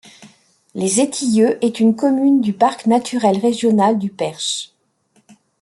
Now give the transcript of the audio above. Les Étilleux est une commune du Parc naturel régional du Perche.